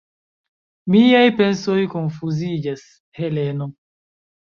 Miaj pensoj konfuziĝas, Heleno.